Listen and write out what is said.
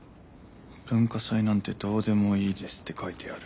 文化祭なんてどうでもいいですって書いてある。